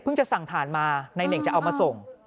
เพิ่งจะสั่งฐานมาในเหน่งจะเอามาส่ง